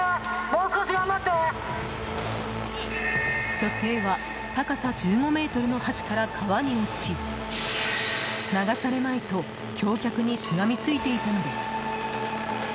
女性は高さ１５ｍの橋から川に落ち流されまいと橋脚にしがみついていたのです。